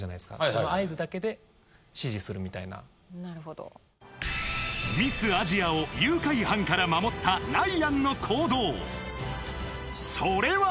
その合図だけで指示するみたいななるほどミス・アジアを誘拐犯から守ったライアンの行動それは